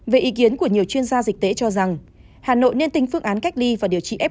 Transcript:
về ý kiến của nhiều chuyên gia dịch tễ cho rằng hà nội nên tính phương án cách ly và điều trị f một